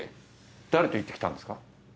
誰と行ってきたんですか？